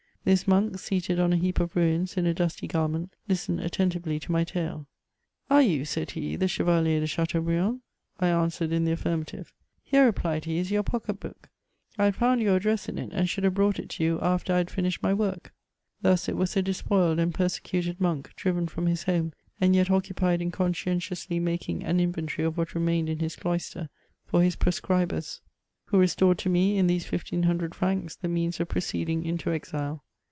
Th^ monk, seated on a heap of ruins, in a dusty garm^it, listened attentively to my tale :" Are you," said he, " the C^vaHer de Chateaubriand ?" "Here," replied he, "is your pocket book; I had found your address in it, and should have brought it to you after I had finished my woric." Thus, it was a despoiled and persecptted monk, driven from his home, and yet oceu|ned in consdentiously making an in yentoiy of what remained in his doister, for his proscribers, who 330 BIEMOIBS OF restored to me, in these 1500 francs, the means. of proceeding into exile.